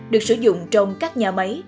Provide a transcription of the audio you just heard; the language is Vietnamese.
được sử dụng trong các nhà máy